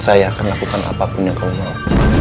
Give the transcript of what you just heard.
saya akan lakukan apapun yang kau mau